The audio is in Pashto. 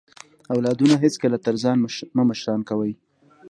اولادونه هیڅکله تر ځان مه مشران کوئ